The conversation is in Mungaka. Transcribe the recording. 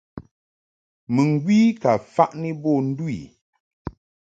Mɨŋgwi ka faʼni bo ndu i.